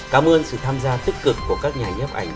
cảm ơn sự tham gia tích cực của các nhà nhếp ảnh